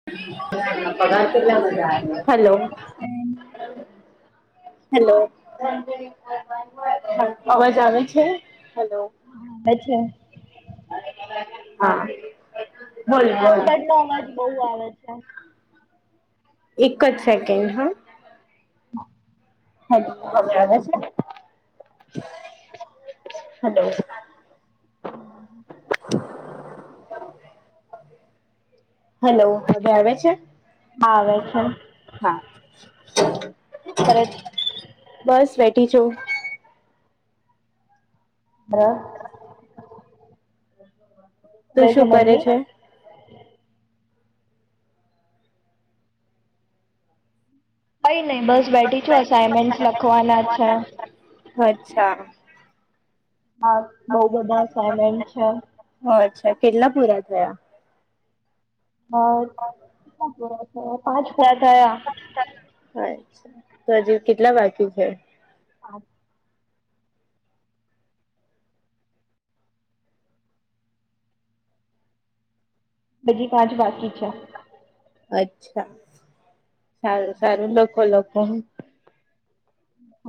[unintelligible] Hello? Hello અવાજ આવે છે હલો? હા એઠલે હા. બોલ બોલ પાછળ નો અવાજ બઉુ આવે છે, એક જ સેકન્ડ હા, હેલો હવે આવે છે હલો? હમ્મ હેલો હવે આવે છે હા આવે છે. હા ખરે જ બસ વેઠી છો. હરા. તું શું કરે છે? કઈ નઈ બસ બેઠી છું અસાાઈનમેન્ટ લખવાના છે. અચ્છા. હા બઉ બધા સાેલેન્ટ છે. ઓ અચ્છા કેટલા પૂરા થયા? હચ, વરા થયા પાંચ વરા થયા. તો હજી કેટલા બાકી છે? હા. [inaudible] બજી પાંચ બાકી છા. અચ્છા, સારું સારું લખો લખો. મ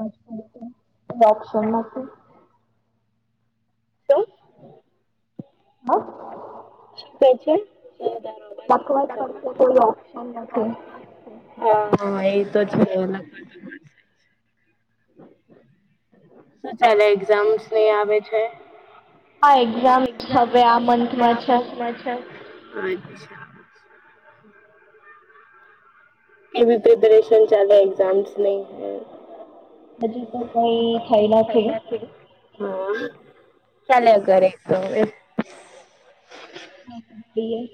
ડોપશનમાં. શમ. [unintelligible] હા? હ શું કેહે છે? તારો અવાજ નથી દખવત પડત થયો. કોઈ ઓપ્શન નથી. હા હા એતો જખ શું ચાલે એક્ઝામ્સ નઈ આવે છે? હા એક્ઝામ હવે આ મંથમાં આ છે. બમાં છે. એ પ્રિપરેશન ચાલે એક્ઝામ્સ નહીં હૈ. હજુ તો કઈ થયેલા કે? થઈ નથી. હા, ચાલે ઘર તો. હાએ.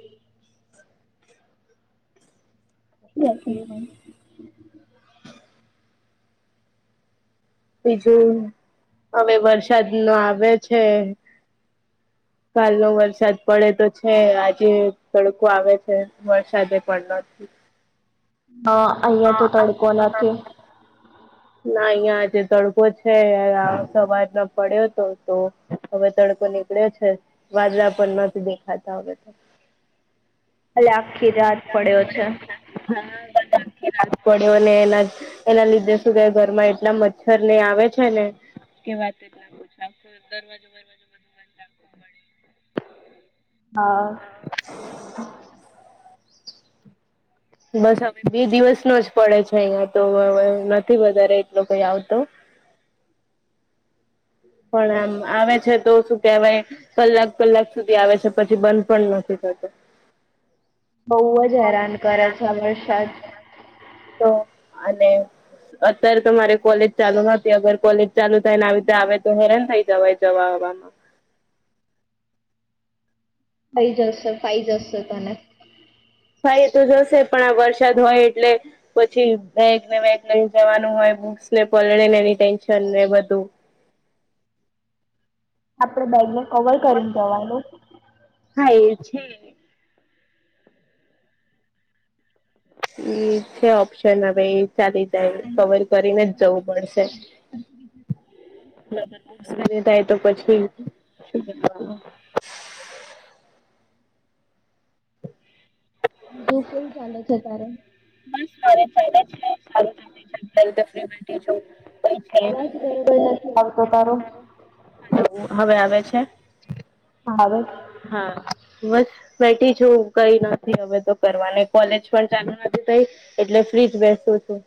બ [unintelligible] બીજું, હવે વરસાદ નો આવે છે. [inaudible] કાલનો વરસાદ પડે તો છે આજે તડકો આવે છે વરસાદ પણ નથી. હા અહિયાં તો હા તડકો અહીંયા તો નથી. તડકો ના અહિયાં જે તડકો છે આ સવારમાં પડ્યો હતો તો. હવે તડકો નીકળ્યો છે, વાદળા પણ નથી દેખાતા હવે. અ આખી રાત પડ્યો છે. હા બ પડ્યો ને એના એના લીધે શું કે ઘરમાં એટલા મચ્છર ને આવે છે ને. કે વાતે જ આખ દરવાજો બરવાજો બધું હા. [inaudible] બસ હવે બે દિવસ નો જ પડે છે અહિયાં તો હવે નથી વધારે એટલો કઈ આવતો. પણ આમ આવે છે તો શ કવાય, કલાક કલાક સુધી આવે છે પછી બંધ પણ નથી થતો. બહુ જ હેરાન કરે છે આ વર્ષાદ. તો અને અત્યારે તો મારે કોલેજ ચાલુ નતી અગર કોલેજ ચાલુ થાય ને રીતે આવે તો હેરાન થઈ જવાય જવાવામાં. ફાઈ જસ્ત ફાઈ જસ્ત તને. ભાઈ એ તો જશે પણ આ વરસાદ હોય એટલે પછી બેગને [unintelligible] લઈ જવાનું હોય બુક્સ ને પલળે ને એની ટેન્શન ને બધું આપડે બેગને કવર કરીને જવાનું હા એ છે. એ છે ઓપ્શન ન હવે ચાલી જાય કવર કરીને જ જવું પડશે [unintelligible] તો પછી શું કરવાનું [inaudible] બીજું કેવું ચાલે છે તારે [unintelligible] આવાજ બરોબર નથી આવતો તારો એ હવે આવે છે. હા આવે છે. હા બસ બેઠી છું કઈ નથી હવે તો કરવાની કોલેજ પણ ચાલુ નથી કઈ એટલે ફ્રીજ બેસું છું.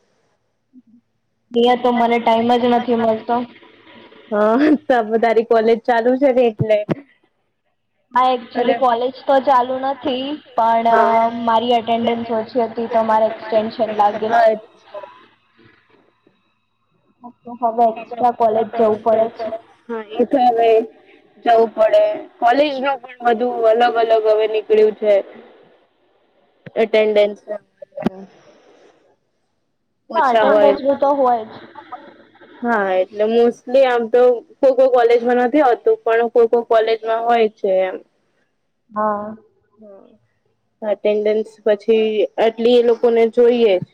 ઘરે તો મને ટાઈમ જ નથી મળતો હા ત તારી કોલેજ ચાલુ છે ને એટલે હ અને એકચુલી કોલેજ તો ચાલુ નથી હા પણ મારી એટેન્ડન્સ ઓછી હતી તો મારે ટટેન્શન લાગે છે. આ હવે એક્સ્ટ્રા કોલેજ જવું પડે છે. હા એ તો હવે જવું પડે કોલેજ ન પણ બધું અલગ અલગ હવે નીકળ્યું છે. અટેન્ડન્સ હા ઓછા હોય એટેન્ડન્સ તો હોય જ હા એટલે મોસ્ટલી આમ તો કોક કોલેજમાં નથી આવતું પણ કોક કોલેજમાં હોય છે એમ હા હ એટેન્ડન્સ પછી આટલી એ લોકોને જોઈએ જ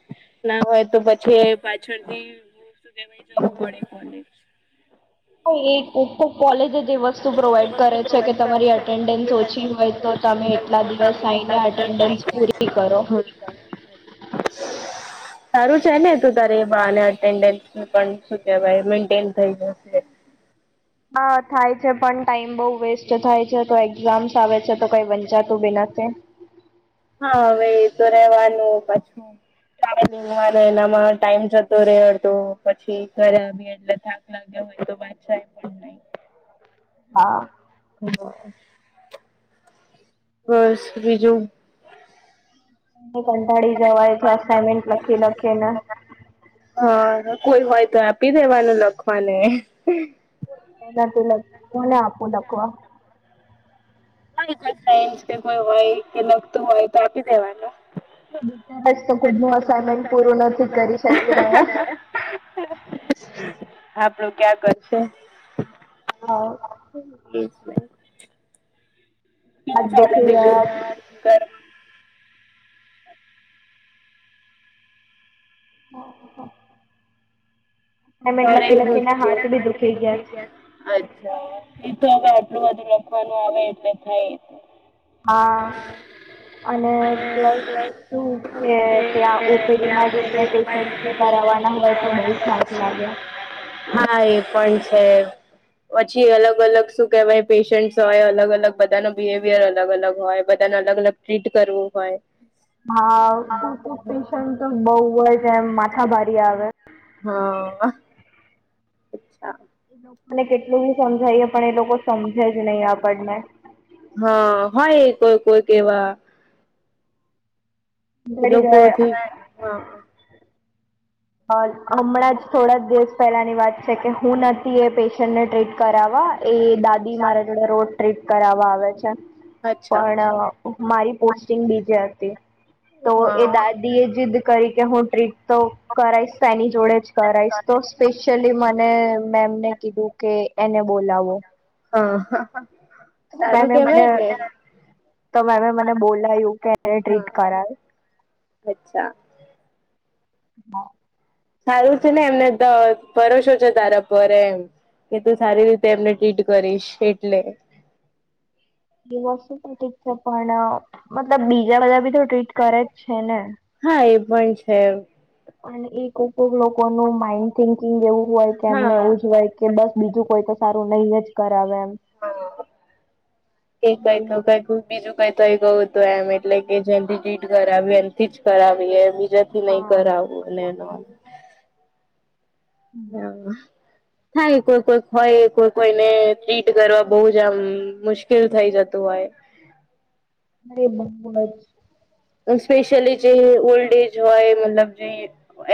ના હોય તો પછી પાછળથી વતુ કેવાય જવું પડે કોને એ કોક કોક કોલેજ એ વસ્તુ શું પ્રોવાઈડ કરે છે કે તમારી એટેન્ડન્સ ઓછી હોય તો તમે એટલા દિવસ થઈને એટેન્ડન્સ પૂરી [unintelligible] કરો અચ્છા [inaudible] તારું છે ને તું તારી એને એટેન્ડન્ટસ નું પણ શું કેવાય મેન્ટેન થઈ જાય હા થાય છે પણ ટાઈમ બહુ વેસ્ટ થાય છે તો એક્ઝામ્સ આવે છે તો કઈ વંચાતું બી નથી છે. હા હવે એ તો રેવાનું પાછું એના માં ને એનામાં ટાઈમ જતો રે અડધો પછી ઘરે આવીએ એટલે થાકી હોય તો [unintelligible] હા હા બસ બીજું કંટાળી જવાય તો અસાનમેન્ટ લખી લખે ને હા કોઈ હોય તો આપી દેવાનું લખવાને એના પેલા કોને આપું લખવા? કોઈ સાયન્સ કે કોઈ હોય કે લખતું હોય તો આપી દેવાનું. બિચારા જ તો ખુદ નું [inaudible] અસાઇનમેન્ટ અસાઇમેન્ટ નથી પૂરું નહોતું કરી શકી થયું રહ્યા ત્યારે આપડું ક્યાં કરશે. હા [inaudible] કેવું હાથ ચાલે દુખી બીજું ગયા છે, [inaudible] ઓહ! હો [inaudible] ના હાથ ભી દુખી ગયા છે. અચ્છા એ તો હવે આટલું બધું લખવાનું આવે એટલે થાય. હા અને પ્લસ શું કે ત્યાં ઓપીડીમાં જઈને પેશન્ટથી કરવાના હોય તો બહુ થાક લાગે. હા એ પણ છે. પછી અલગ અલગ શું કેવાય પેશન્ટસ હોય, અલગ અલગ બધાનો બિહેવિયર અલગ અલગ હોય. બધાને અલગ અલગ ટ્રીટ કરવું હોય. હા અમુક અમુક પેશન્ટ તો બહુ જ એમ માથા ભારી આવે. હા અને લોકોને કેટલું બી સમજાઈએ પણ એ લોકો સમજે જ નહીં આપણને. હહ હોય એ કોઈક કોઈક એવા એ કંટાળી લોકો ગયા એથી હહ અ હમણાં જ થોડા દિવસ પહેલાંની વાત છે કે હું નથી એ પેશન્ટને ટ્રીટ કરાવવા એ દાદી મારા જોડે રોજ ટ્રીટ કરાવા આવે છે. અચ્છા પણ મારી પોસ્ટિંગ બીજે હતી. તો એ હા દાદીએ જિદ કરી કે હું ટ્રીટ તો કરાઈશ ત એની જોડે જ કરાઈસ. તો સ્પેશિયલી મને મેમને કીધું કે એને બોલાવો. અ હ હ મેમે મને તો મેમે મને બોલાયું કે એને ટ્રીટ હા કરાવ. અચ્છા. હા સારું છે ને એમને તો ભરોસો છે તારા પર એમ. કે તું સારી રીતે એમને ટ્રીટ કરીશ એટલે. એ વસ્તુ તો ઠીક છે. પણ મતલબ બીજા બધા બી તો ટ્રીટ કરે જ છે ને. હા એ પણ છે એમ. અને એ કોક કોક લોકોનું માઈન્ડ થિંકિંગ એવું હોય કે હા એમને એવું જ હોય. કે બસ બીજું કોઈ તો સારું નહી જ કરાવે એમ. હા એ કઈક એવું કઈક બીજું કઈ થઈ ગયું હતું એમ એટલે કે જેનથી ટ્રીટ કરાવી એનથી જ કરાવી એમ. જેથી નહી હા કરાવું અને નોન હા હા એ કોઈક કોઈક હોય કોઈ કોઈને ટ્રીટ કરવા બહુ જ આમ મુશ્કેલ થઈ જતું હોય. અરે બહુ જ. અ સ્પેશિયલી જે ઓલ્ડએજ હોય મતલબ જે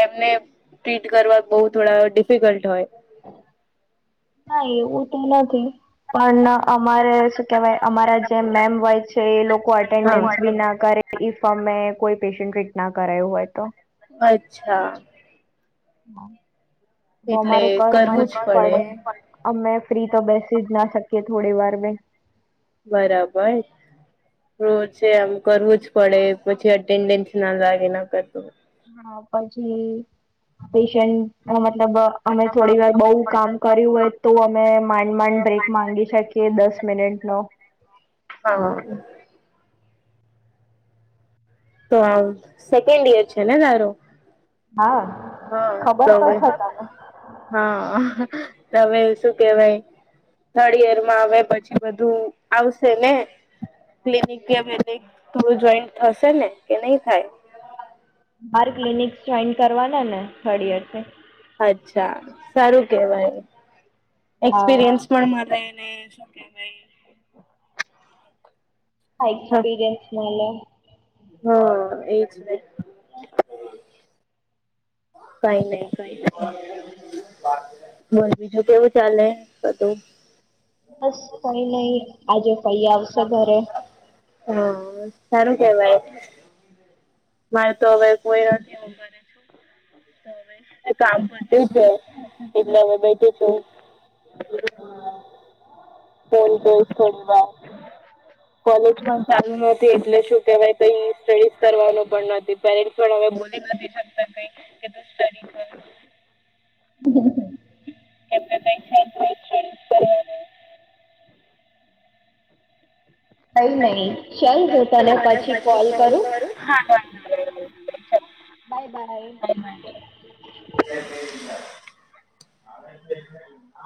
એમને ટ્રીટ કરવા બહુ થોડા ડિફિકલ્ટ હોય. [inaudible] ના એવું તો નથી, પન અમારે કેવાય અમારા જે મેમ હોય છે એ લોકો હા અટેન્ડન્સ બી ના કરે. ઇફ અમે કોઈ પેશન્ટ ટ્રીટ ના કરાયું હોય તો. અચ્છા. હ અમારે કરવું જ પડે. અમે ફ્રી તો બેસી જ ના શકીએ થોડી વાર બી. બરાબર. રોજે એમ કરવું જ પડે પછી અટેન્ડન્સ ના લાગે ના કરતું. હા પછી, પેશન્ટ મતલબ અ અમે થોડી વાર બઉ કામ કર્યું હોય તો અમે માંડ માંડ બ્રેક માંગી શકીએ. કે દસ મિનિટ નો. હા. તો આમ સેકન્ડ ઈયર છે ને તારો? હા હા ખબર તો તમે? છે તને હા, તમે શું કેવાય થર્ડ યર માં આવે પછી બધું આવશે ને? ક્લિનિક કે પ જોઈ થશે ને કે નહી થાય? બાર ક્લિનિક જોઈન કરવાના ને થર્ડ યર. અચ્છા સારું કેવાય હા એક્સપિરિયન્સ ર ને શું કેહેવાય. હા એક્સપિરિયન્સ મલ. હા એજ ને. [inaudible] કઈ નહી કઈ. બસ બીજું કેવું ચાલે બધું? બસ કઈ નહી આજે કઈ આવશે ઘરે. હા સારું કેવાય. મારે તો હવે કોઈ નથી. છું. [inaudible] કામ કરત છે, એટલે અમે બેઠી છું. ફોન છો. હ [inaudible] કોલેજ પણ ચાલુ ન એટલે શું કેવાય તો સ્ટડીઝ કરવાનું પણ નથી. પેસ હ બો નથી શ કે ત સ્ટડી કર [unintelligible] [inaudible] એમને કઈક [unintelligible] કઈ નહી ચાલ હું તને પછી કોલ કરું. Bye by.